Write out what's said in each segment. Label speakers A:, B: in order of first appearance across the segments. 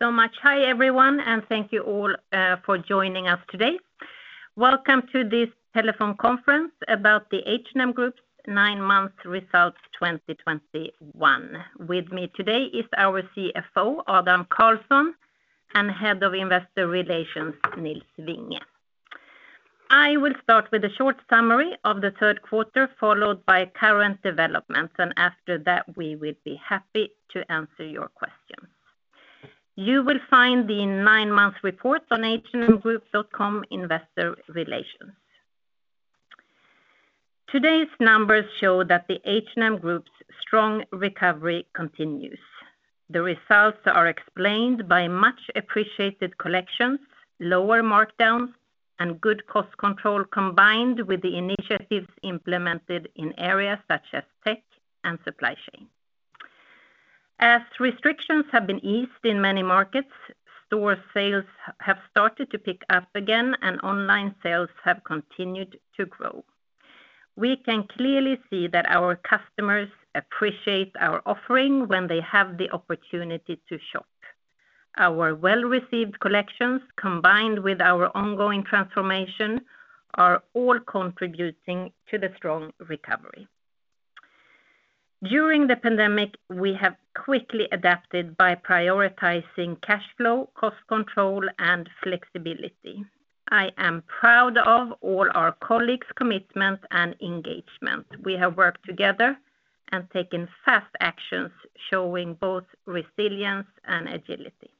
A: Thank you so much. Hi, everyone, and thank you all for joining us today. Welcome to this telephone conference about the H&M Group's nine-month results 2021. With me today is our CFO, Adam Karlsson, and Head of Investor Relations, Nils Vinge. I will start with a short summary of the third quarter, followed by current developments, and after that, we will be happy to answer your questions. You will find the nine-month report on hmgroup.com investor relations. Today's numbers show that the H&M Group's strong recovery continues. The results are explained by much appreciated collections, lower markdowns, and good cost control, combined with the initiatives implemented in areas such as tech and supply chain. As restrictions have been eased in many markets, store sales have started to pick up again, and online sales have continued to grow. We can clearly see that our customers appreciate our offering when they have the opportunity to shop. Our well-received collections, combined with our ongoing transformation, are all contributing to the strong recovery. During the pandemic, we have quickly adapted by prioritizing cash flow, cost control, and flexibility. I am proud of all our colleagues' commitment and engagement. We have worked together and taken fast actions showing both resilience and agility.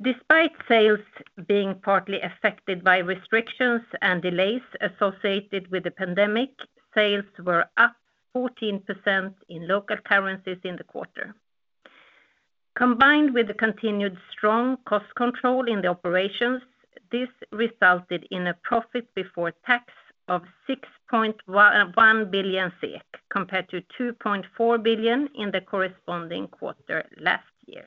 A: Despite sales being partly affected by restrictions and delays associated with the pandemic, sales were up 14% in local currencies in the quarter. Combined with the continued strong cost control in the operations, this resulted in a profit before tax of 6.1 billion SEK, compared to 2.4 billion in the corresponding quarter last year.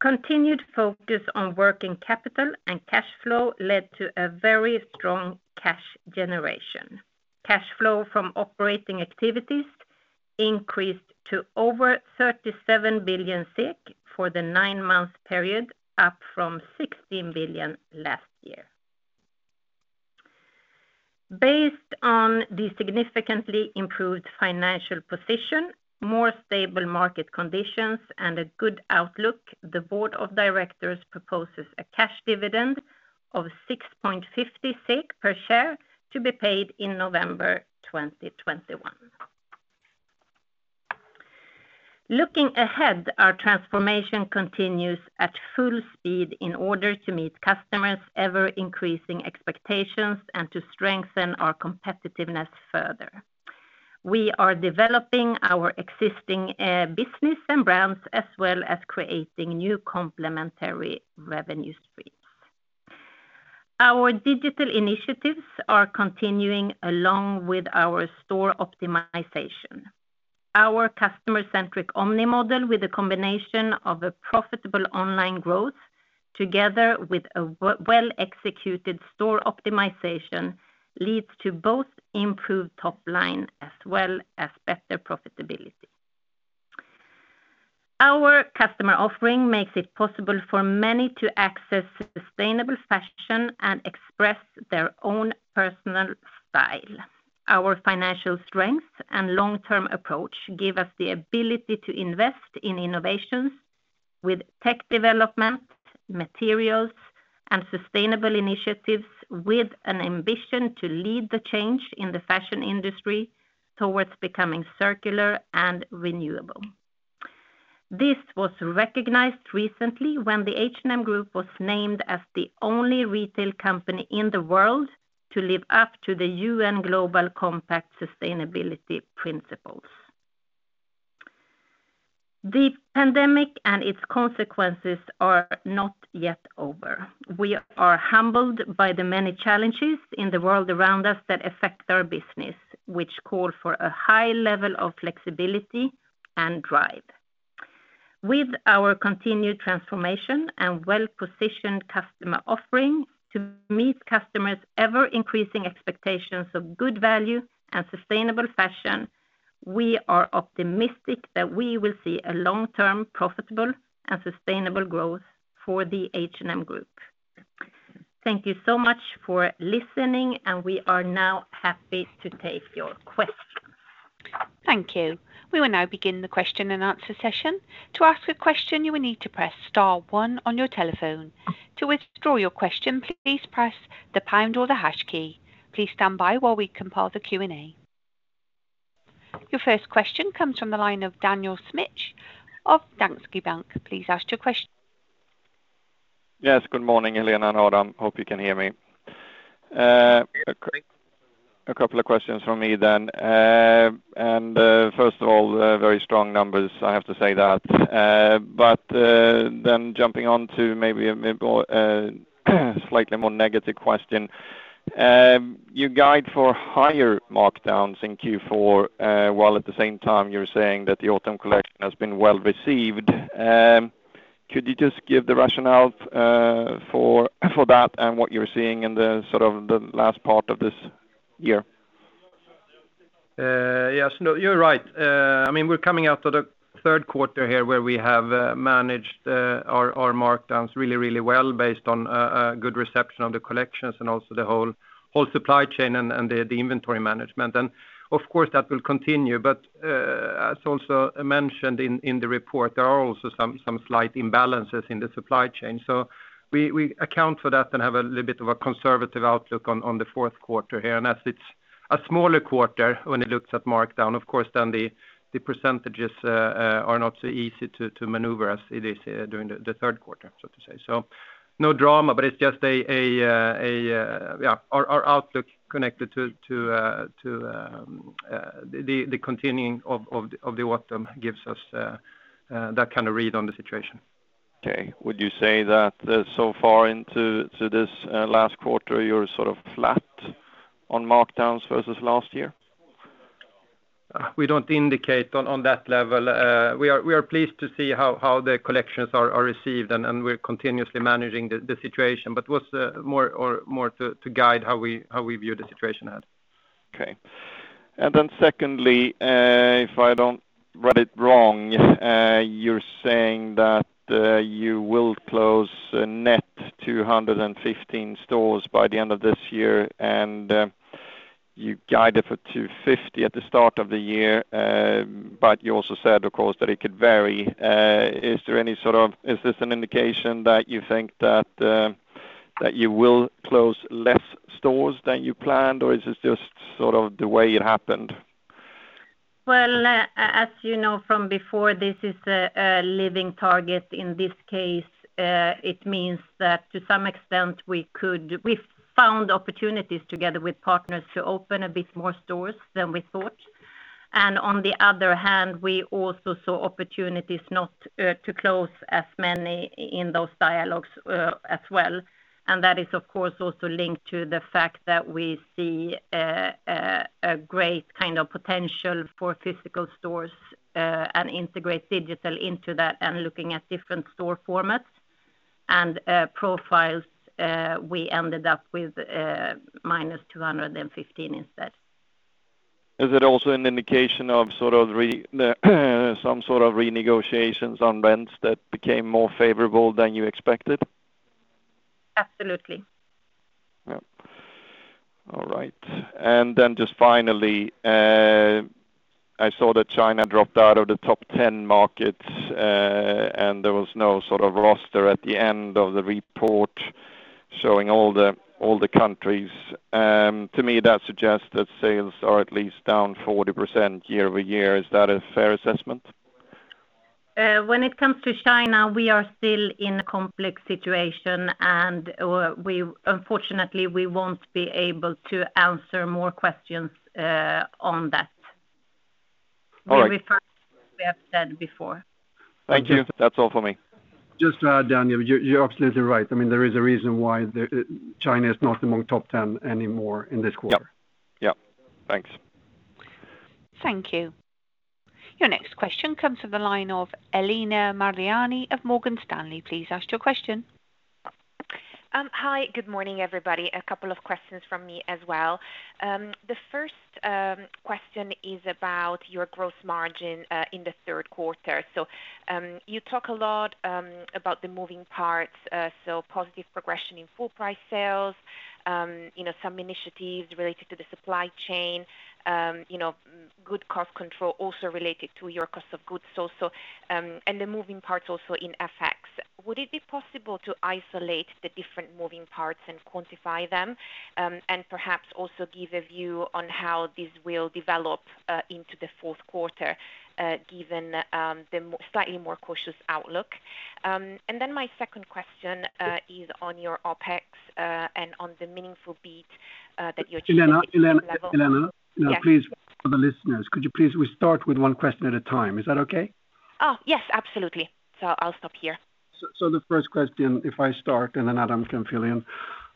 A: Continued focus on working capital and cash flow led to a very strong cash generation. Cash flow from operating activities increased to over 37 billion for the nine-month period, up from 16 billion last year. Based on the significantly improved financial position, more stable market conditions, and a good outlook, the board of directors proposes a cash dividend of 6.50 per share to be paid in November 2021. Looking ahead, our transformation continues at full speed in order to meet customers' ever-increasing expectations and to strengthen our competitiveness further. We are developing our existing business and brands as well as creating new complementary revenue streams. Our digital initiatives are continuing along with our store optimization. Our customer-centric omni model with a combination of a profitable online growth together with a well-executed store optimization leads to both improved top line as well as better profitability. Our customer offering makes it possible for many to access sustainable fashion and express their own personal style. Our financial strength and long-term approach give us the ability to invest in innovations with tech development, materials, and sustainable initiatives with an ambition to lead the change in the fashion industry towards becoming circular and renewable. This was recognized recently when the H&M Group was named as the only retail company in the world to live up to the UN Global Compact Sustainability Principles. The pandemic and its consequences are not yet over. We are humbled by the many challenges in the world around us that affect our business, which call for a high level of flexibility and drive. With our continued transformation and well-positioned customer offering to meet customers' ever-increasing expectations of good value and sustainable fashion, we are optimistic that we will see a long-term profitable and sustainable growth for the H&M Group. Thank you so much for listening, and we are now happy to take your questions.
B: Thank you. We will now begin the question and answer session. Your first question comes from the line of Daniel Schmidt of Danske Bank. Please ask your question.
C: Yes. Good morning, Helena and Adam. Hope you can hear me. A couple of questions from me then. First of all, very strong numbers, I have to say that. Jumping on to maybe a slightly more negative question. You guide for higher markdowns in Q4, while at the same time you're saying that the autumn collection has been well-received. Could you just give the rationale for that and what you're seeing in the last part of this year?
D: Yes. No, you're right. We're coming out of the third quarter here where we have managed our markdowns really well based on good reception of the collections and also the whole supply chain and the inventory management. Of course, that will continue. As also mentioned in the report, there are also some slight imbalances in the supply chain. We account for that and have a little bit of a conservative outlook on the fourth quarter here. As it's a smaller quarter when it looks at markdown, of course, then the percentages are not so easy to maneuver as it is during the third quarter, so to say. No drama, it's just our outlook connected to the continuing of the autumn gives us that kind of read on the situation.
C: Okay. Would you say that so far into this last quarter, you are sort of flat on markdowns versus last year?
D: We don't indicate on that level. We are pleased to see how the collections are received, and we're continuously managing the situation. It was more to guide how we view the situation as.
C: Okay. Secondly, if I don't read it wrong, you're saying that you will close a net 215 stores by the end of this year. You guided for 250 at the start of the year. You also said, of course, that it could vary. Is this an indication that you think that you will close less stores than you planned, or is this just sort of the way it happened?
A: Well, as you know from before, this is a living target. In this case, it means that to some extent we found opportunities together with partners to open a bit more stores than we thought. On the other hand, we also saw opportunities not to close as many in those dialogues as well. That is, of course, also linked to the fact that we see a great kind of potential for physical stores and integrate digital into that and looking at different store formats and profiles, we ended up with -215 instead.
C: Is it also an indication of some sort of renegotiations on rents that became more favorable than you expected?
A: Absolutely.
C: Yep. All right. Then just finally, I saw that China dropped out of the top 10 markets, and there was no roster at the end of the report showing all the countries. To me, that suggests that sales are at least down 40% year-over-year. Is that a fair assessment?
A: When it comes to China, we are still in a complex situation, and unfortunately, we won't be able to answer more questions on that.
C: All right.
A: We refer to what we have said before.
C: Thank you. That's all for me.
D: Just to add, Daniel, you're absolutely right. There is a reason why China is not among top 10 anymore in this quarter.
C: Yep. Thanks.
B: Thank you. Your next question comes to the line of Elena Mariani of Morgan Stanley. Please ask your question.
E: Hi. Good morning, everybody. A couple of questions from me as well. The first question is about your gross margin in the third quarter. You talk a lot about the moving parts. Positive progression in full price sales, some initiatives related to the supply chain, good cost control also related to your cost of goods, and the moving parts also in FX. Would it be possible to isolate the different moving parts and quantify them? Perhaps also give a view on how this will develop into the fourth quarter given the slightly more cautious outlook. My second question is on your OPEX and on the meaningful beat.
F: Elena?
E: Yes.
F: Please, for the listeners, we start with one question at a time. Is that okay?
E: Oh, yes, absolutely. I'll stop here.
F: The first question, if I start, and then Adam can fill in.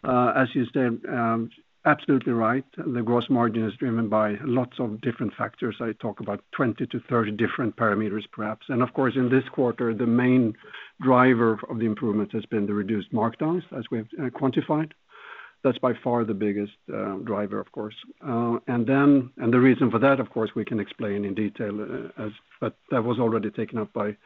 F: As you said, absolutely right, the gross margin is driven by lots of different factors. I talk about 20-30 different parameters, perhaps. Of course, in this quarter, the main driver of the improvement has been the reduced markdowns as we have quantified. That is by far the biggest driver, of course. The reason for that, of course, we can explain in detail, but that was already taken up by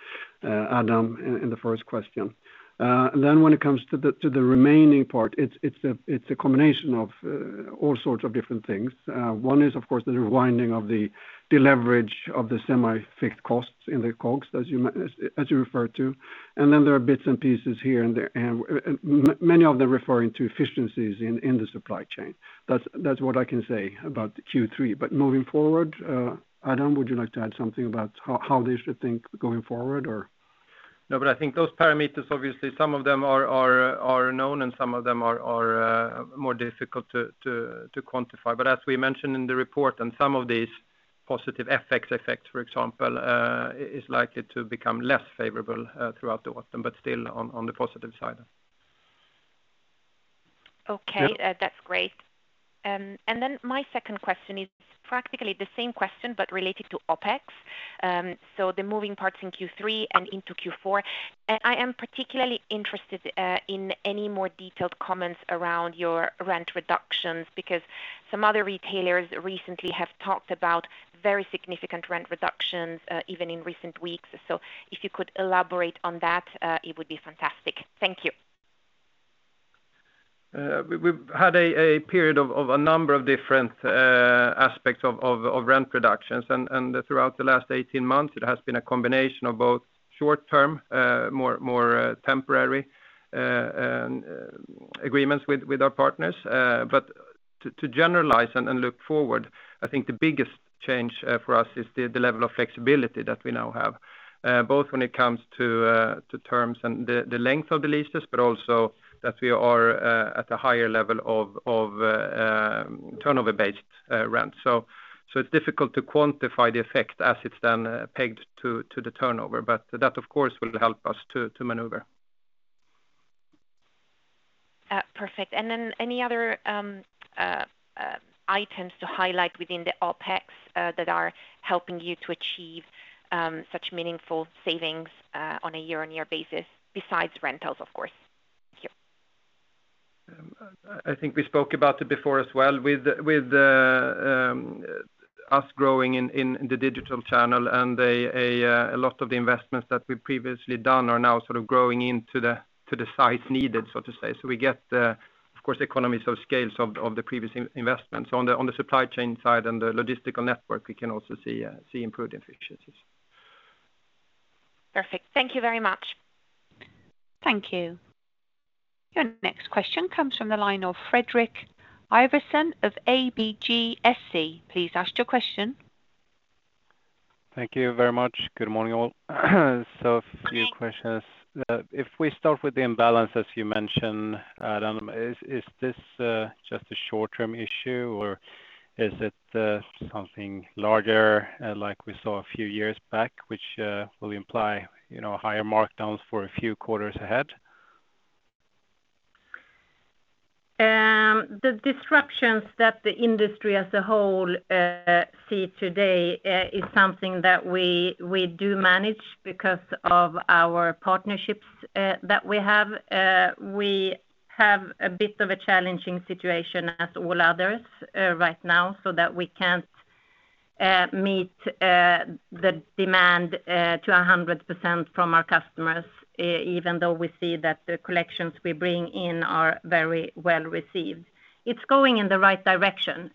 F: Adam in the first question. When it comes to the remaining part, it is a combination of all sorts of different things. One is, of course, the rewinding of the deleverage of the semi-fixed costs in the COGS, as you referred to. There are bits and pieces here and there, and many of them referring to efficiencies in the supply chain. That is what I can say about Q3. Moving forward, Adam, would you like to add something about how they should think going forward or?
D: No, I think those parameters, obviously, some of them are known and some of them are more difficult to quantify. As we mentioned in the report on some of these positive FX effects, for example, is likely to become less favorable throughout the autumn, but still on the positive side.
E: Okay. That's great. My second question is practically the same question, but related to OPEX. So the moving parts in Q3 and into Q4. I am particularly interested in any more detailed comments around your rent reductions, because some other retailers recently have talked about very significant rent reductions, even in recent weeks. If you could elaborate on that, it would be fantastic. Thank you.
D: We've had a period of a number of different aspects of rent reductions. Throughout the last 18 months, it has been a combination of both short-term, more temporary agreements with our partners. To generalize and look forward, I think the biggest change for us is the level of flexibility that we now have, both when it comes to terms and the length of the leases, but also that we are at a higher level of turnover-based rent. It's difficult to quantify the effect as it's then pegged to the turnover, but that, of course, will help us to maneuver.
E: Perfect. Then any other items to highlight within the OpEx that are helping you to achieve such meaningful savings on a year-on-year basis, besides rentals, of course? Thank you.
D: I think we spoke about it before as well with us growing in the digital channel and a lot of the investments that we've previously done are now sort of growing into the sites needed, so to say. We get, of course, economies of scale of the previous investments. On the supply chain side and the logistical network, we can also see improved efficiencies.
E: Perfect. Thank you very much.
B: Thank you. Your next question comes from the line of Fredrik Ivarsson of ABGSC. Please ask your question.
G: Thank you very much. Good morning, all. A few questions. If we start with the imbalance as you mentioned, Adam, is this just a short-term issue or is it something larger like we saw a few years back, which will imply higher markdowns for a few quarters ahead?
A: The disruptions that the industry as a whole see today is something that we do manage because of our partnerships that we have. We have a bit of a challenging situation as all others right now, so that we can't meet the demand to 100% from our customers, even though we see that the collections we bring in are very well received. It's going in the right direction.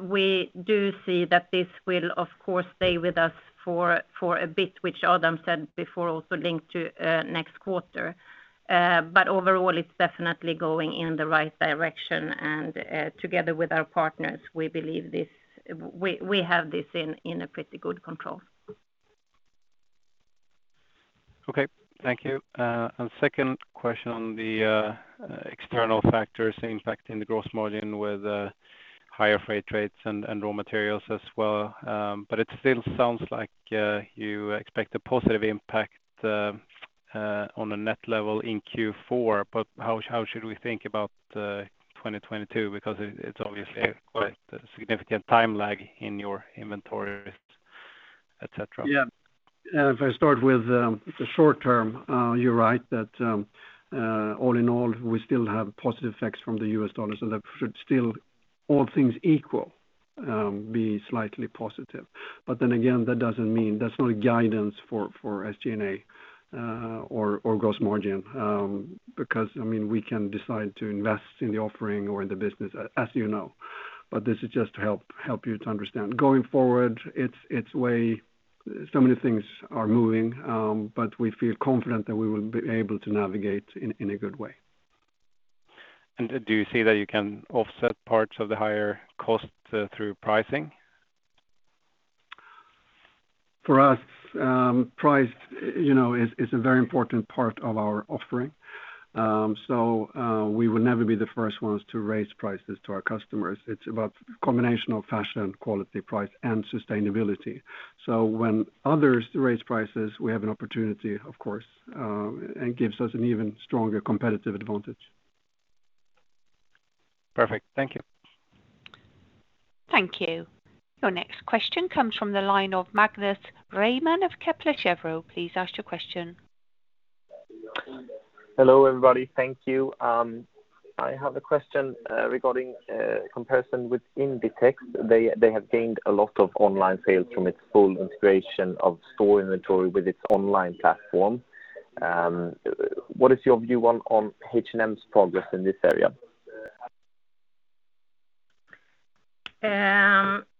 A: We do see that this will, of course, stay with us for a bit, which Adam said before, also linked to next quarter. Overall, it's definitely going in the right direction. Together with our partners, we have this in a pretty good control.
G: Okay, thank you. Second question on the external factors impacting the gross margin with higher freight rates and raw materials as well. It still sounds like you expect a positive impact on a net level in Q4. How should we think about 2022? Because it's obviously quite a significant time lag in your inventories, et cetera.
D: Yeah. If I start with the short term, you're right that all in all, we still have positive effects from the US dollar, so that should still, all things equal, be slightly positive. Again, that's not a guidance for SG&A or gross margin. We can decide to invest in the offering or in the business, as you know. This is just to help you to understand. Going forward, so many things are moving, but we feel confident that we will be able to navigate in a good way.
G: Do you see that you can offset parts of the higher cost through pricing?
D: For us, price is a very important part of our offering. We will never be the first ones to raise prices to our customers. It's about a combination of fashion, quality, price, and sustainability. When others raise prices, we have an opportunity, of course, and gives us an even stronger competitive advantage.
G: Perfect. Thank you.
B: Thank you. Your next question comes from the line of Magnus Råman of Kepler Cheuvreux. Please ask your question.
H: Hello, everybody. Thank you. I have a question regarding comparison with Inditex. They have gained a lot of online sales from its full integration of store inventory with its online platform. What is your view on H&M's progress in this area?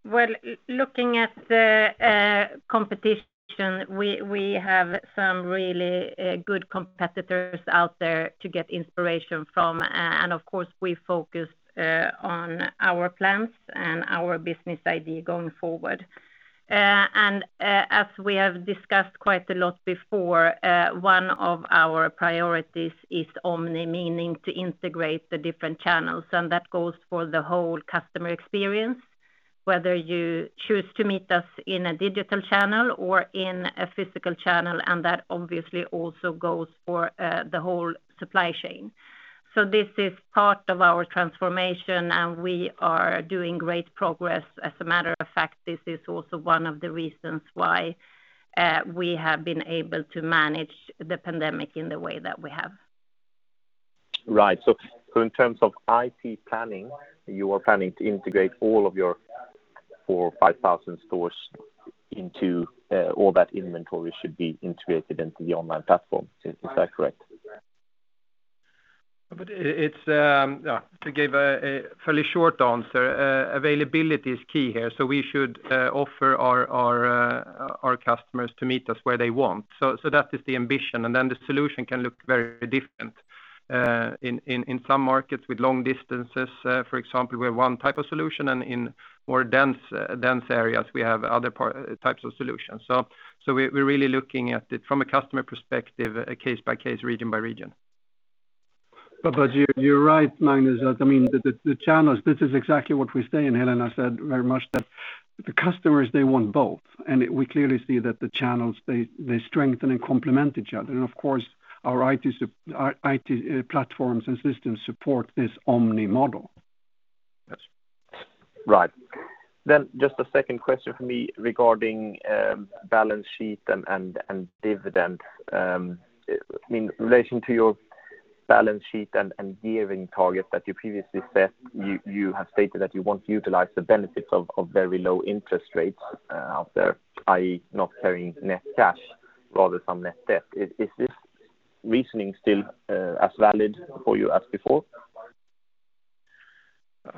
A: Well, looking at the competition, we have some really good competitors out there to get inspiration from. Of course, we focus on our plans and our business idea going forward. As we have discussed quite a lot before, one of our priorities is omni, meaning to integrate the different channels, and that goes for the whole customer experience. Whether you choose to meet us in a digital channel or in a physical channel, and that obviously also goes for the whole supply chain. This is part of our transformation, and we are doing great progress. As a matter of fact, this is also one of the reasons why we have been able to manage the pandemic in the way that we have.
H: Right. In terms of IT planning, you are planning to integrate all of your 5,000 stores into all that inventory should be integrated into the online platform. Is that correct?
D: To give a fairly short answer, availability is key here, so we should offer our customers to meet us where they want. That is the ambition, and then the solution can look very different. In some markets with long distances, for example, we have one type of solution, and in more dense areas, we have other types of solutions. We're really looking at it from a customer perspective, case by case, region by region.
F: You're right, Magnus. The channels, this is exactly what we say, and Helena said very much that the customers, they want both. We clearly see that the channels strengthen and complement each other. Of course, our IT platforms and systems support this omni model.
H: Right. Just a second question from me regarding balance sheet and dividend. In relation to your balance sheet and gearing target that you previously set, you have stated that you want to utilize the benefits of very low interest rates out there, i.e., not carrying net cash, rather some net debt. Is this reasoning still as valid for you as before?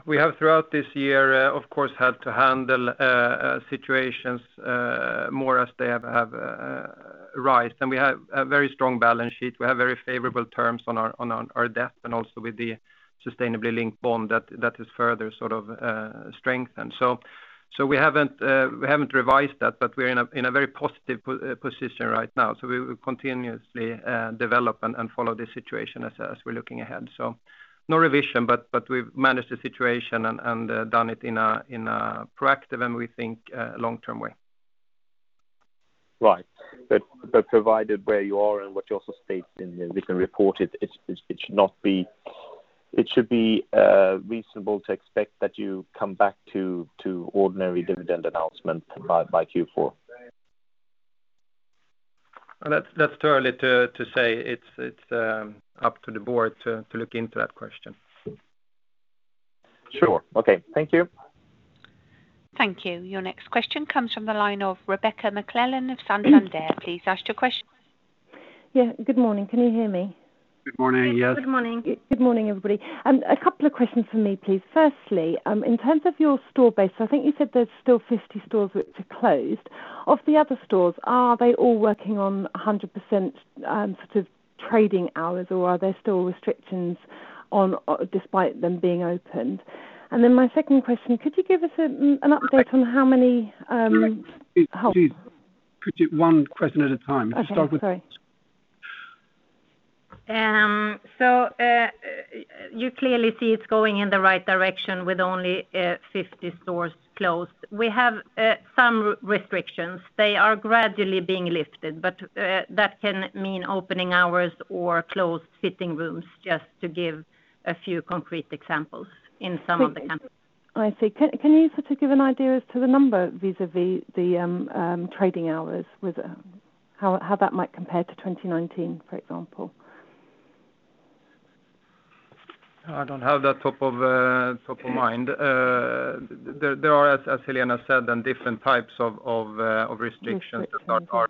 D: We have, throughout this year, of course, had to handle situations more as they have arisen. We have a very strong balance sheet. We have very favorable terms on our debt and also with the sustainably linked bond that has further strengthened. We haven't revised that, but we're in a very positive position right now. We continuously develop and follow the situation as we're looking ahead. No revision, but we've managed the situation and done it in a proactive and we think long-term way.
H: Right. Provided where you are and what you also state in the recent report, it should be reasonable to expect that you come back to ordinary dividend announcement by Q4.
D: That's too early to say. It's up to the board to look into that question.
H: Sure, okay. Thank you.
B: Thank you. Your next question comes from the line of Rebecca McClellan of Santander. Please ask your question.
I: Yeah, good morning. Can you hear me?
F: Good morning, yes.
A: Good morning.
I: Good morning, everybody. A couple of questions from me, please. Firstly, in terms of your store base, I think you said there's still 50 stores which are closed. Of the other stores, are they all working on 100% trading hours, or are there still restrictions despite them being opened? My second question, could you give us an update on how many-
F: Could you please put it one question at a time?
I: Okay, sorry.
A: You clearly see it's going in the right direction with only 50 stores closed. We have some restrictions. They are gradually being lifted, but that can mean opening hours or closed fitting rooms, just to give a few concrete examples in some of the countries.
I: I see. Can you give an idea as to the number vis-à-vis the trading hours? How that might compare to 2019, for example?
D: I don't have that top of mind. There are, as Helena said, different types of restrictions that are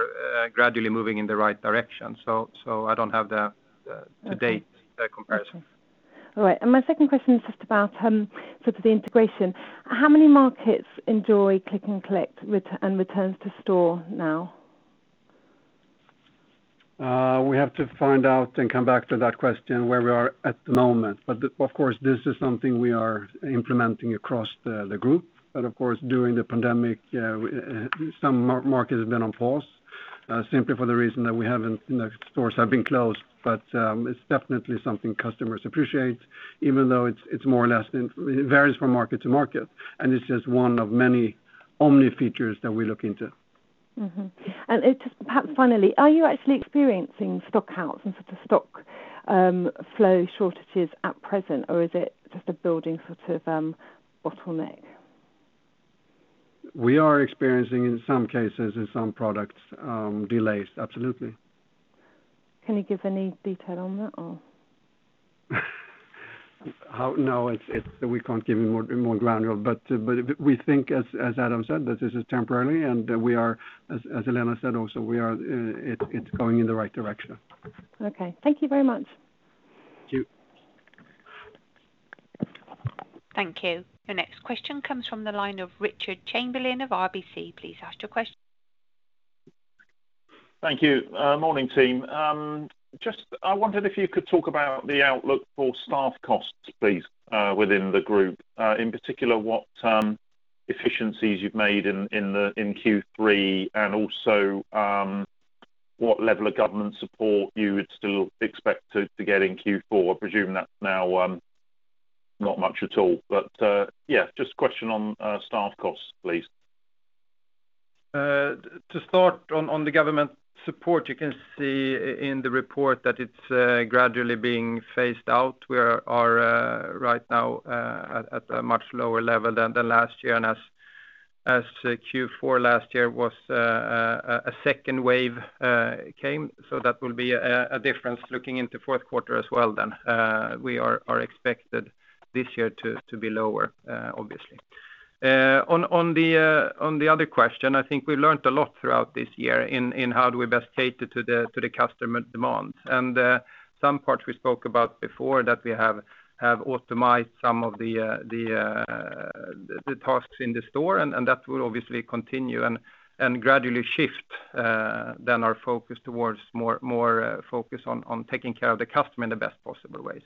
D: gradually moving in the right direction. I don't have the to-date comparison.
I: All right, my second question is just about the integration. How many markets enjoy click and collect and returns to store now?
F: We have to find out and come back to that question where we are at the moment. Of course, this is something we are implementing across the group. Of course, during the pandemic, some markets have been on pause simply for the reason that stores have been closed. It's definitely something customers appreciate, even though it varies from market to market, and it's just one of many omni features that we look into.
I: Just perhaps finally, are you actually experiencing stock outs and stock flow shortages at present, or is it just a building bottleneck?
F: We are experiencing, in some cases, in some products, delays, absolutely.
I: Can you give any detail on that, or?
F: No, we can't give any more granular, but we think, as Adam said, that this is temporary, and as Helena said also, it's going in the right direction.
I: Okay. Thank you very much.
F: Thank you.
B: Thank you. Your next question comes from the line of Richard Chamberlain of RBC. Please ask your question.
J: Thank you. Morning, team. Just I wondered if you could talk about the outlook for staff costs, please, within the Group. In particular, what efficiencies you've made in Q3 and also what level of government support you would still expect to get in Q4? I presume that's now not much at all. Yes, just a question on staff costs, please.
D: To start on the government support, you can see in the report that it's gradually being phased out. We are right now at a much lower level than last year, and as Q4 last year a second wave came. That will be a difference looking into the fourth quarter as well then. We are expected this year to be lower, obviously. On the other question, I think we learned a lot throughout this year in how do we best cater to the customer demands. Some parts we spoke about before that we have optimized some of the tasks in the store, and that will obviously continue and gradually shift then our focus towards more focus on taking care of the customer in the best possible way.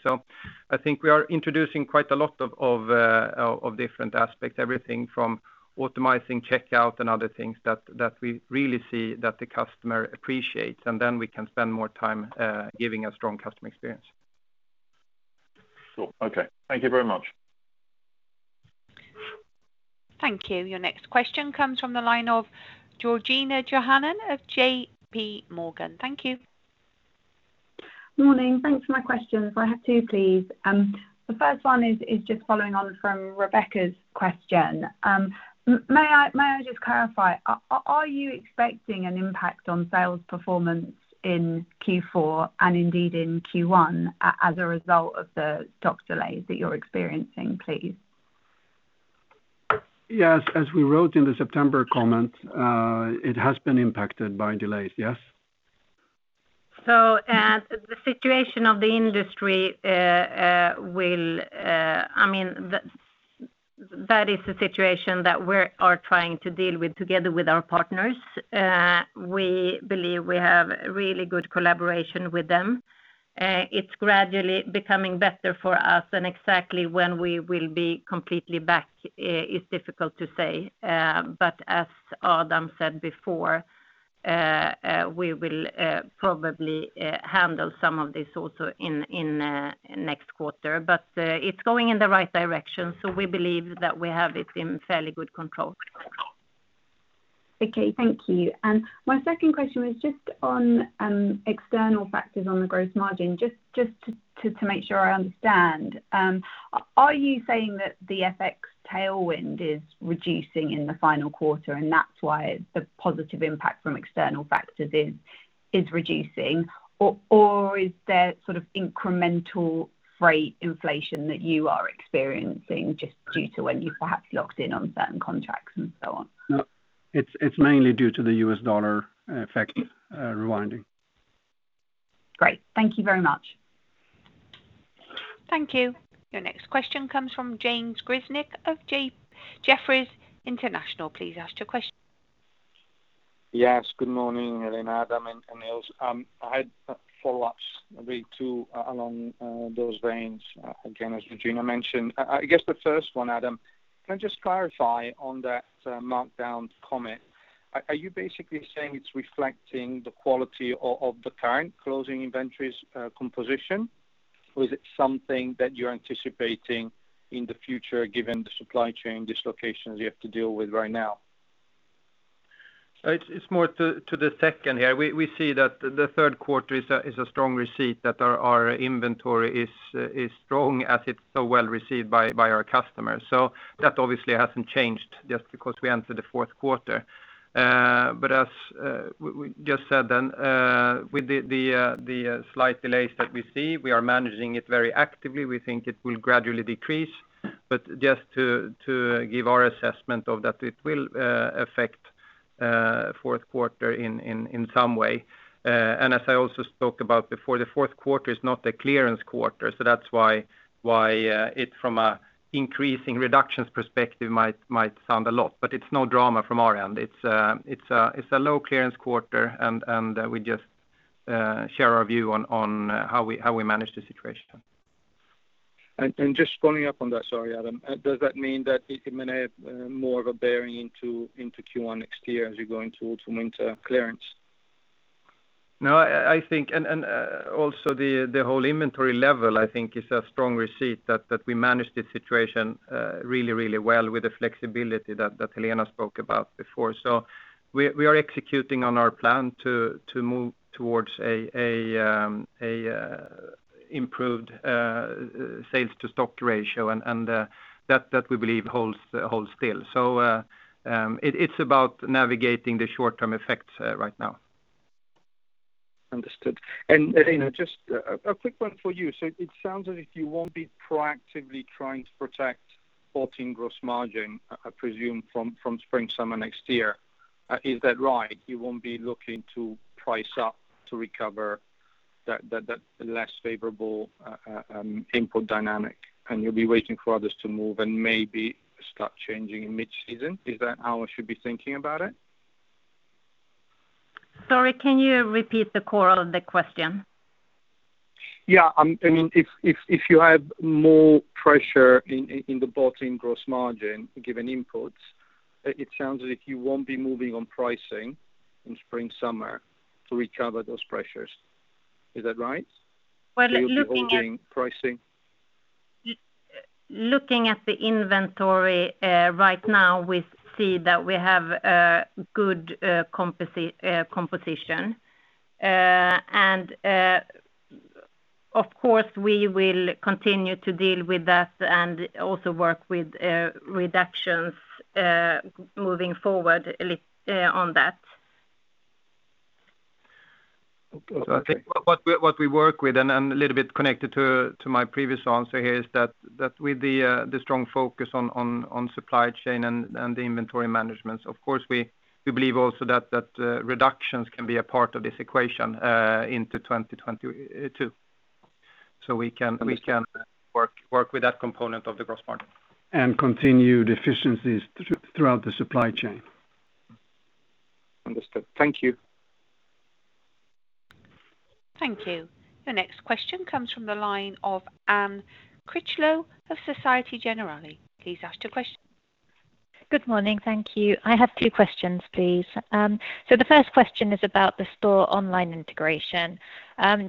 D: I think we are introducing quite a lot of different aspects, everything from optimizing checkout and other things that we really see that the customer appreciates, and then we can spend more time giving a strong customer experience.
J: Sure. Okay. Thank you very much.
B: Thank you. Your next question comes from the line of Georgina Johanan of JPMorgan. Thank you.
K: Morning. Thanks for my questions. I have two, please. The first one is just following on from Rebecca's question. May I just clarify, are you expecting an impact on sales performance in Q4 and indeed in Q1 as a result of the stock delays that you're experiencing, please?
D: Yes. As we wrote in the September comment, it has been impacted by delays. Yes.
A: The situation of the industry, that is the situation that we are trying to deal with together with our partners. We believe we have really good collaboration with them. It's gradually becoming better for us, and exactly when we will be completely back, it's difficult to say. As Adam said before, we will probably handle some of this also in next quarter. It's going in the right direction, so we believe that we have it in fairly good control.
K: Okay. Thank you. My second question was just on external factors on the gross margin, just to make sure I understand. Are you saying that the FX tailwind is reducing in the final quarter, and that is why the positive impact from external factors is reducing? Is there incremental freight inflation that you are experiencing just due to when you perhaps locked in on certain contracts and so on?
D: No. It's mainly due to the US dollar effect rewinding.
K: Great. Thank you very much.
B: Thank you. Your next question comes from James Grzinic of Jefferies International. Please ask your question.
L: Yes. Good morning, Helena, Adam, and Nils. I had follow-ups, maybe two along those veins, again, as Georgina mentioned. I guess the first one, Adam, can I just clarify on that markdown comment? Are you basically saying it's reflecting the quality of the current closing inventories composition, or is it something that you're anticipating in the future given the supply chain dislocations you have to deal with right now?
D: It's more to the second here. We see that the third quarter is a strong receipt that our inventory is strong as it's so well received by our customers. That obviously hasn't changed just because we entered the fourth quarter. As we just said then, with the slight delays that we see, we are managing it very actively. We think it will gradually decrease. Just to give our assessment of that, it will affect fourth quarter in some way. As I also spoke about before, the fourth quarter is not the clearance quarter, so that's why it from an increasing reductions perspective might sound a lot, but it's no drama from our end. It's a low clearance quarter, and we just share our view on how we manage the situation.
L: Just following up on that, sorry, Adam, does that mean that it may have more of a bearing into Q1 next year as you go into autumn winter clearance?
D: No. Also the whole inventory level I think is a strong receipt that we managed the situation really well with the flexibility that Helena spoke about before. We are executing on our plan to move towards an improved sales to stock ratio, and that we believe holds still. It's about navigating the short-term effects right now.
L: Understood. Helena, just a quick one for you. It sounds as if you won't be proactively trying to protect 14% gross margin, I presume, from spring, summer next year. Is that right? You won't be looking to price up to recover that less favorable input dynamic, and you'll be waiting for others to move and maybe start changing in mid-season? Is that how I should be thinking about it?
A: Sorry, can you repeat the core of the question?
L: Yeah. If you have more pressure in the bottom gross margin given inputs, it sounds as if you won't be moving on pricing in spring/summer to recover those pressures. Is that right?
A: Well.
L: You will be holding pricing?
A: Looking at the inventory right now, we see that we have good composition. Of course, we will continue to deal with that and also work with reductions moving forward on that.
L: Okay.
D: I think what we work with, and a little bit connected to my previous answer here, is that with the strong focus on supply chain and the inventory managements, of course, we believe also that reductions can be a part of this equation into 2022. We can work with that component of the gross margin.
F: Continued efficiencies throughout the supply chain.
L: Understood. Thank you.
B: Thank you. The next question comes from the line of Anne Critchlow of Société Générale. Please ask your question.
M: Good morning. Thank you. I have two questions, please. The first question is about the store online integration.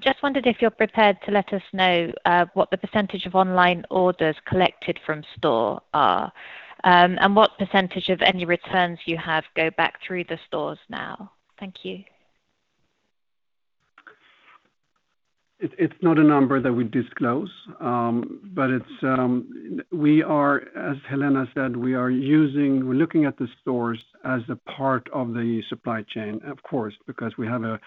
M: Just wondered if you're prepared to let us know what the percentage of online orders collected from store are, and what percentage of any returns you have go back through the stores now. Thank you.
F: It's not a number that we disclose. As Helena said, we're looking at the stores as a part of the supply chain, of course, because we have a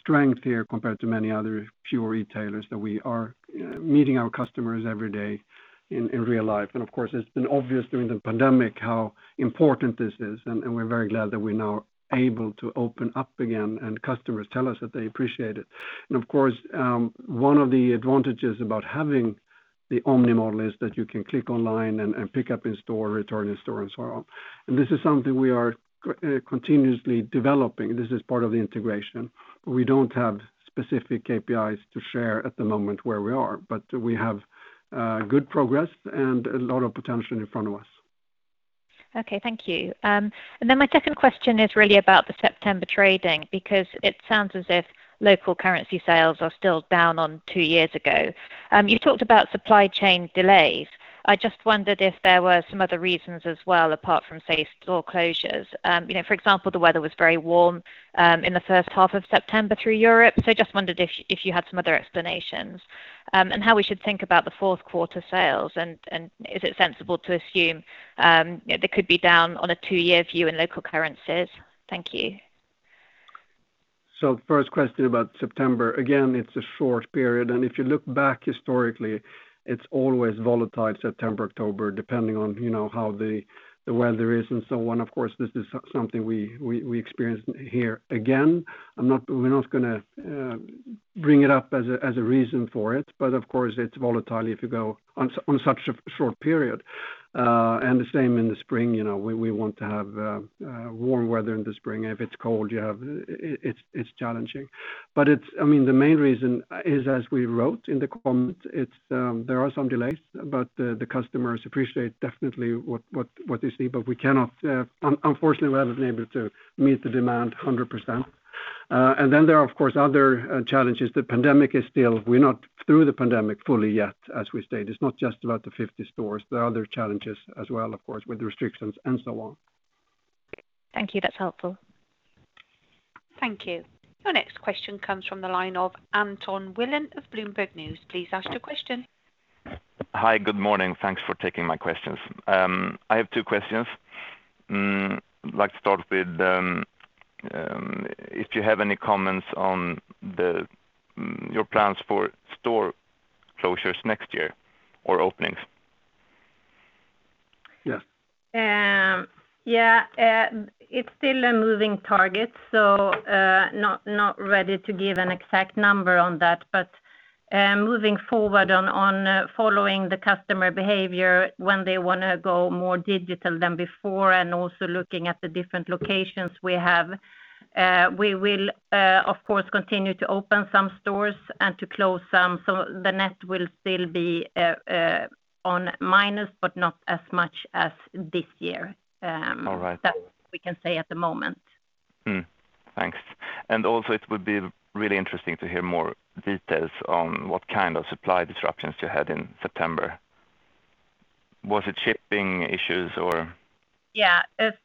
F: strength here compared to many other pure retailers, that we are meeting our customers every day in real life. Of course, it's been obvious during the pandemic how important this is, and we're very glad that we're now able to open up again, and customers tell us that they appreciate it. Of course, one of the advantages about having the omni model is that you can click online and pick up in store, return in store and so on. This is something we are continuously developing. This is part of the integration. We don't have specific KPIs to share at the moment where we are, but we have good progress and a lot of potential in front of us.
M: Okay, thank you. My second question is really about the September trading, because it sounds as if local currency sales are still down on two years ago. You talked about supply chain delays. I just wondered if there were some other reasons as well, apart from, say, store closures. For example, the weather was very warm in the first half of September through Europe, just wondered if you had some other explanations. How we should think about the fourth quarter sales and is it sensible to assume they could be down on a two-year view in local currencies? Thank you.
F: First question about September. Again, it's a short period, and if you look back historically, it's always volatile, September, October, depending on how the weather is and so on. Of course, this is something we experienced here again. We're not going to bring it up as a reason for it, but of course, it's volatile if you go on such a short period. The same in the spring, we want to have warm weather in the spring. If it's cold, it's challenging. The main reason is, as we wrote in the comments, there are some delays, but the customers appreciate definitely what they see, but unfortunately we haven't been able to meet the demand 100%. Then there are, of course, other challenges. We're not through the pandemic fully yet, as we stated. It's not just about the 50 stores. There are other challenges as well, of course, with restrictions and so on.
M: Thank you. That's helpful.
B: Thank you. Your next question comes from the line of Anton Wilen of Bloomberg News. Please ask your question.
N: Hi. Good morning. Thanks for taking my questions. I have two questions. Like to start with if you have any comments on your plans for store closures next year, or openings.
F: Yes.
A: Yeah. It's still a moving target, so not ready to give an exact number on that. Moving forward on following the customer behavior when they want to go more digital than before and also looking at the different locations we have, we will of course continue to open some stores and to close some. The net will still be on minus but not as much as this year.
N: All right.
A: That we can say at the moment.
N: Thanks. Also it would be really interesting to hear more details on what kind of supply disruptions you had in September. Was it shipping issues or?
A: This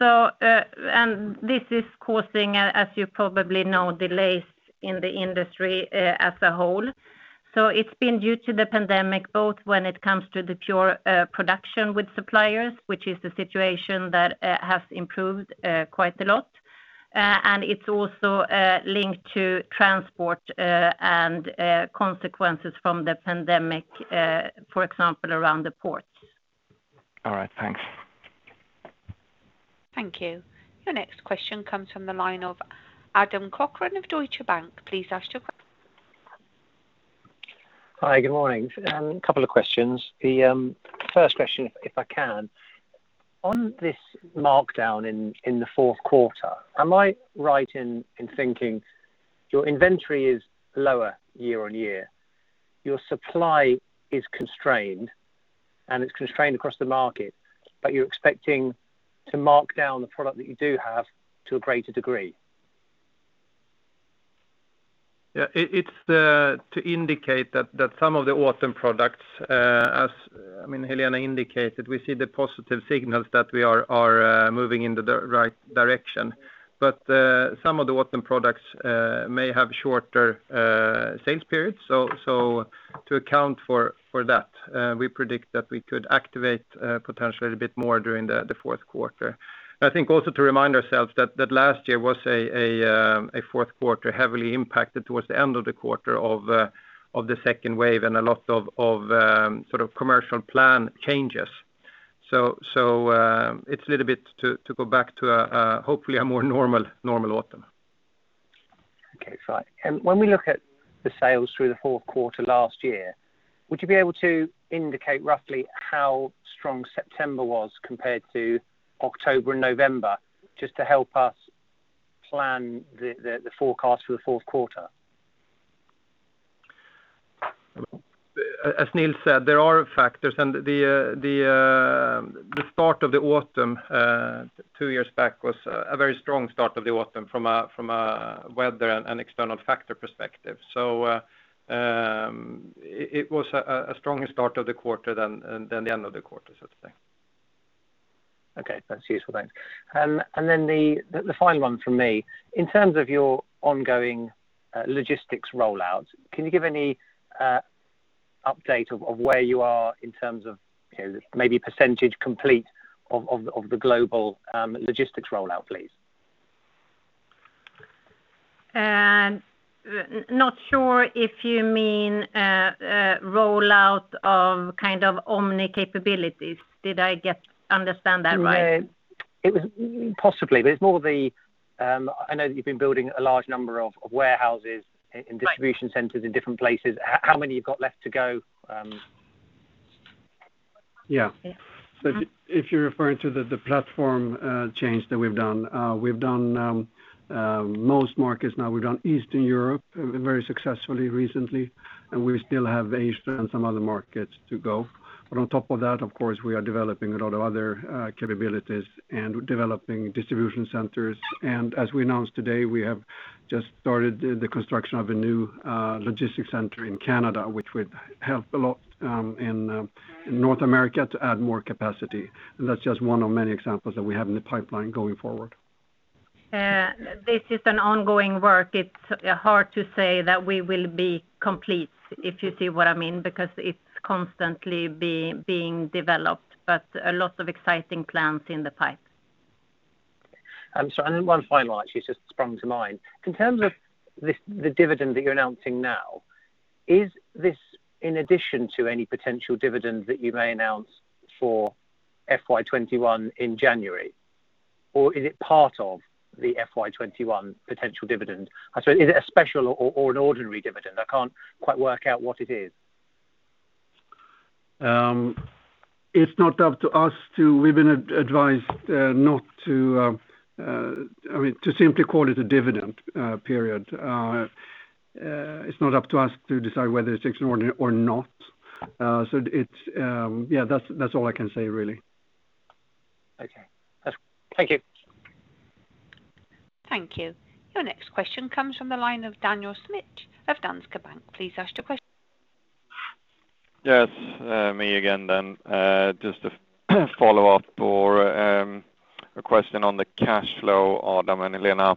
A: is causing, as you probably know, delays in the industry as a whole. It's been due to the pandemic, both when it comes to the pure production with suppliers, which is a situation that has improved quite a lot, and it's also linked to transport, and consequences from the pandemic, for example, around the ports.
N: All right. Thanks.
B: Thank you. Your next question comes from the line of Adam Cochrane of Deutsche Bank. Please ask your question.
O: Hi. Good morning. Couple of questions. The first question, if I can. On this markdown in the fourth quarter, am I right in thinking your inventory is lower year-over-year, your supply is constrained, and it's constrained across the market, but you're expecting to mark down the product that you do have to a greater degree?
D: Yeah. It's to indicate that some of the autumn products, as Helena indicated, we see the positive signals that we are moving in the right direction. Some of the autumn products may have shorter sales periods. To account for that, we predict that we could activate potentially a bit more during the fourth quarter. I think also to remind ourselves that last year was a fourth quarter heavily impacted towards the end of the quarter of the second wave and a lot of commercial plan changes. It's a little bit to go back to hopefully a more normal autumn.
O: Okay, fine. When we look at the sales through the fourth quarter last year, would you be able to indicate roughly how strong September was compared to October and November, just to help us plan the forecast for the fourth quarter?
D: As Nils said, there are factors, and the start of the autumn two years back was a very strong start of the autumn from a weather and external factor perspective. It was a stronger start of the quarter than the end of the quarter sort of thing.
O: Okay, that's useful. Thanks. The final one from me, in terms of your ongoing logistics roll-out, can you give any update of where you are in terms of maybe percentage complete of the global logistics roll-out, please?
A: Not sure if you mean roll-out of omni capabilities. Did I understand that right?
O: Possibly, but it's more the I know that you've been building a large number of warehouses.
A: Right
O: Distribution centers in different places. How many you've got left to go?
D: Yeah.
A: Yeah. Mm-hmm.
D: If you're referring to the platform change that we've done, we've done most markets now. We've done Eastern Europe very successfully recently, and we still have Asia and some other markets to go. On top of that, of course, we are developing a lot of other capabilities and developing distribution centers. As we announced today, we have just started the construction of a new logistics center in Canada, which would help a lot in North America to add more capacity. That's just one of many examples that we have in the pipeline going forward.
A: This is an ongoing work. It's hard to say that we will be complete, if you see what I mean, because it's constantly being developed, but a lot of exciting plans in the pipe.
O: Sorry. One final actually just sprung to mind. In terms of the dividend that you're announcing now, is this in addition to any potential dividend that you may announce for FY 2021 in January, or is it part of the FY 2021 potential dividend? Is it a special or an ordinary dividend? I can't quite work out what it is.
D: We've been advised not to simply call it a dividend, period. It's not up to us to decide whether it's extraordinary or not. Yeah, that's all I can say, really.
O: Okay. Thank you.
B: Thank you. Your next question comes from the line of Daniel Schmidt of Danske Bank. Please ask your question.
C: Me again, just a follow-up or a question on the cash flow, Adam and Helena,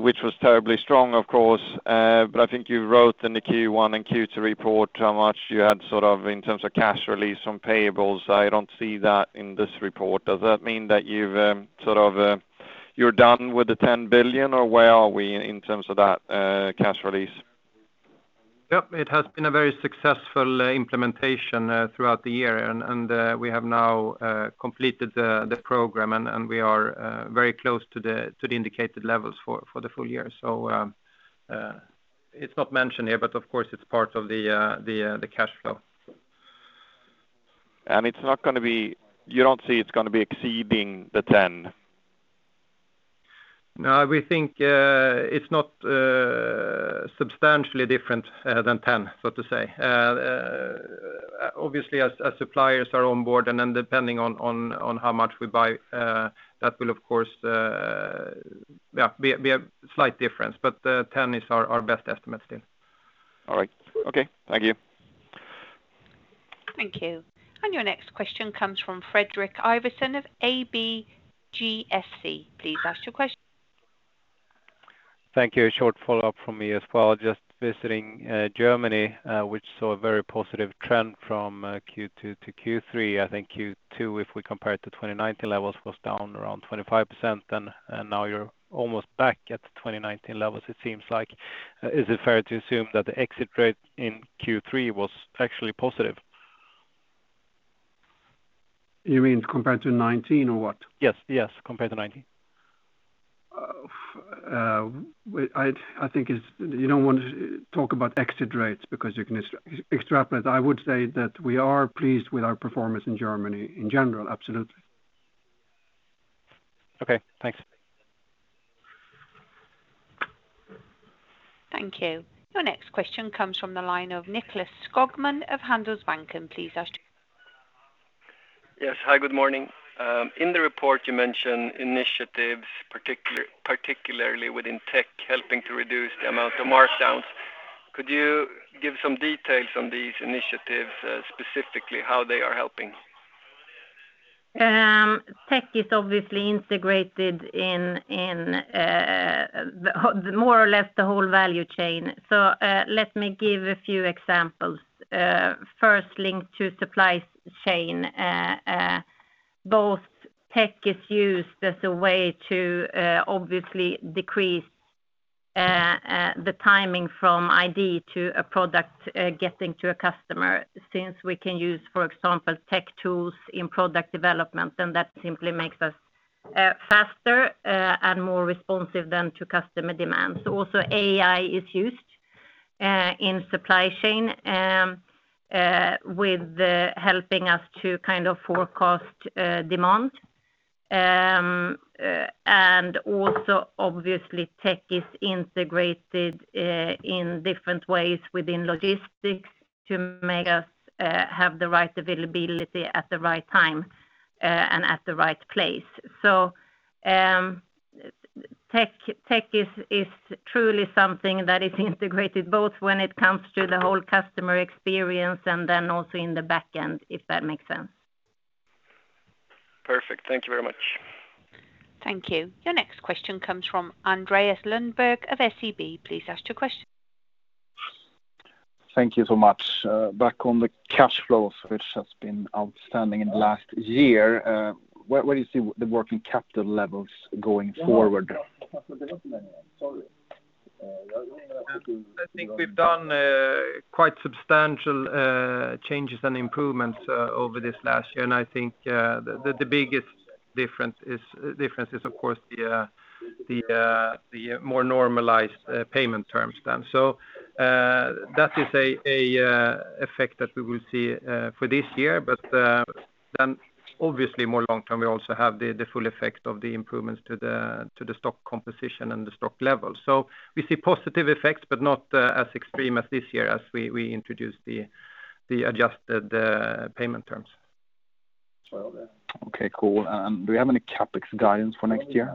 C: which was terribly strong, of course, but I think you wrote in the Q1 and Q3 report how much you had in terms of cash release on payables. I don't see that in this report. Does that mean that you're done with the 10 billion, or where are we in terms of that cash release?
D: Yep. It has been a very successful implementation throughout the year, and we have now completed the program, and we are very close to the indicated levels for the full year. It's not mentioned here, but of course, it's part of the cash flow.
C: You don't see it's going to be exceeding the 10?
D: No, we think it's not substantially different than 10, so to say. Obviously, as suppliers are on board, and then depending on how much we buy, that will, of course, be a slight difference. 10 is our best estimate still.
C: All right. Okay. Thank you.
B: Thank you. Your next question comes from Fredrik Ivarsson of ABGSC. Please ask your question.
G: Thank you. A short follow-up from me as well. Just visiting Germany, which saw a very positive trend from Q2 to Q3. I think Q2, if we compare it to 2019 levels, was down around 25% then. Now you're almost back at 2019 levels it seems like. Is it fair to assume that the exit rate in Q3 was actually positive?
D: You mean compared to 2019 or what?
G: Yes. Compared to 2019.
D: I think you don't want to talk about exit rates because you can extrapolate. I would say that we are pleased with our performance in Germany in general. Absolutely.
G: Okay, thanks.
B: Thank you. Your next question comes from the line of Nicklas Skogman of Handelsbanken. Please ask your question.
P: Yes. Hi, good morning. In the report, you mention initiatives, particularly within tech, helping to reduce the amount of markdowns. Could you give some details on these initiatives, specifically how they are helping?
A: Tech is obviously integrated in more or less the whole value chain. Let me give a few examples. First, linked to supply chain. Both tech is used as a way to obviously decrease the timing from ID to a product getting to a customer, since we can use, for example, tech tools in product development, and that simply makes us faster and more responsive then to customer demands. Also, AI is used in supply chain with helping us to forecast demand. Also obviously tech is integrated in different ways within logistics to make us have the right availability at the right time and at the right place. Tech is truly something that is integrated both when it comes to the whole customer experience and then also in the back end, if that makes sense.
P: Perfect. Thank you very much.
B: Thank you. Your next question comes from Andreas Lundberg of SEB. Please ask your question.
Q: Thank you so much. Back on the cash flows, which has been outstanding in the last year. Where do you see the working capital levels going forward?
D: I think we've done quite substantial changes and improvements over this last year. I think the biggest difference is, of course, the more normalized payment terms then. That is an effect that we will see for this year. Obviously more long-term, we also have the full effect of the improvements to the stock composition and the stock level. We see positive effects, but not as extreme as this year as we introduce the adjusted payment terms.
Q: Okay, cool. Do we have any CapEx guidance for next year?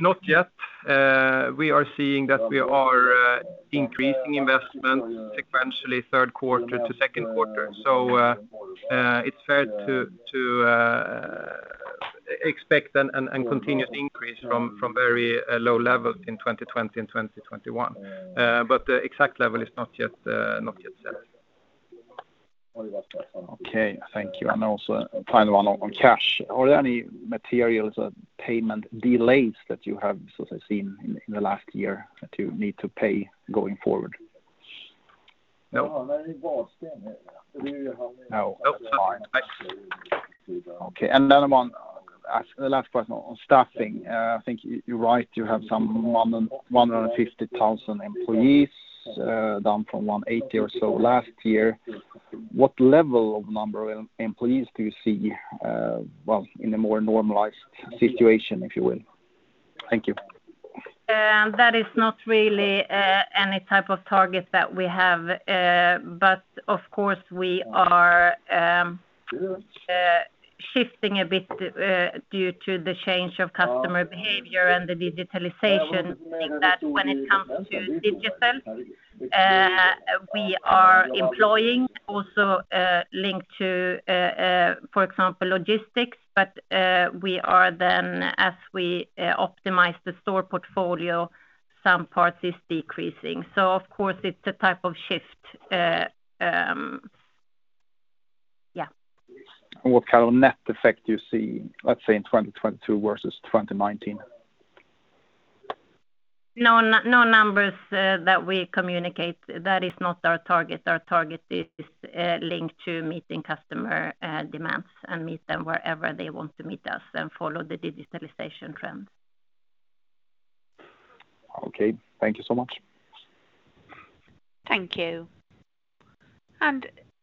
D: Not yet. We are seeing that we are increasing investment sequentially third quarter to second quarter. It's fair to expect and continue to increase from very low levels in 2020 and 2021. The exact level is not yet set.
Q: Okay, thank you. Also final one on cash. Are there any material payment delays that you have seen in the last year that you need to pay going forward?
D: No.
Q: No. Fine. Thanks. Okay, the last question on staffing. I think you're right, you have some 150,000 employees, down from 180,000 or so last year. What level of number of employees do you see in a more normalized situation, if you will? Thank you.
A: That is not really any type of target that we have. Of course, we are shifting a bit due to the change of customer behavior and the digitalization, that when it comes to digital, we are employing also linked to, for example, logistics. We are then, as we optimize the store portfolio, some parts is decreasing. Of course, it's a type of shift. Yeah.
Q: What kind of net effect do you see, let's say in 2022 versus 2019?
A: No numbers that we communicate. That is not our target. Our target is linked to meeting customer demands and meet them wherever they want to meet us and follow the digitalization trends.
Q: Okay. Thank you so much.
B: Thank you.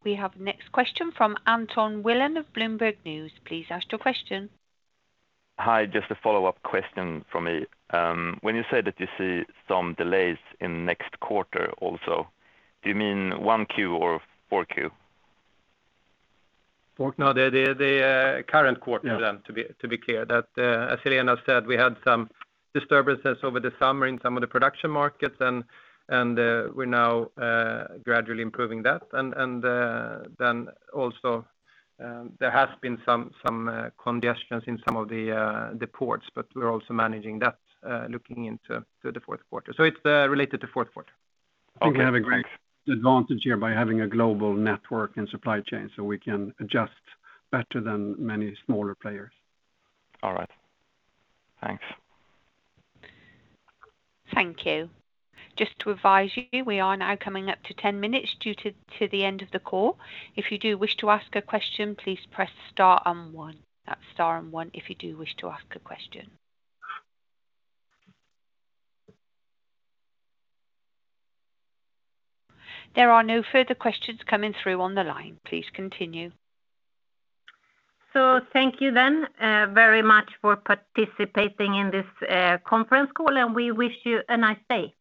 B: We have next question from Anton Wilen of Bloomberg News. Please ask your question.
N: Hi, just a follow-up question from me. When you say that you see some delays in next quarter also, do you mean 1Q or 4Q?
D: The current quarter, to be clear. As Helena said, we had some disturbances over the summer in some of the production markets, and we're now gradually improving that. Also there has been some congestions in some of the ports, but we're also managing that looking into the fourth quarter. It's related to fourth quarter.
N: Okay, thanks.
D: I think we have a great advantage here by having a global network and supply chain so we can adjust better than many smaller players.
N: All right. Thanks.
B: Thank you. Just to advise you, we are now coming up to 10 minutes due to the end of the call. If you do wish to ask a question, please press star and one. That's star and one if you do wish to ask a question. There are no further questions coming through on the line. Please continue.
A: Thank you then very much for participating in this conference call, and we wish you a nice day.